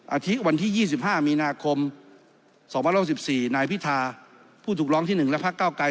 อาทิตย์วันที่๒๕มีนาคม๒๐๖๔นายพิธาผู้ถูกร้องที่๑และพักเก้าไกร